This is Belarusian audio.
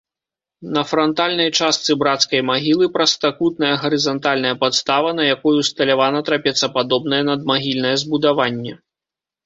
На франтальнай частцы брацкай магілы прастакутная гарызантальная падстава, на якой усталявана трапецападобнае надмагільнае збудаванне.